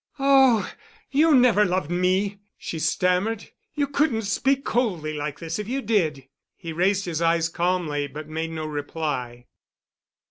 "Oh! you never loved me," she stammered. "You couldn't speak coldly like this if you did." He raised his eyes calmly, but made no reply.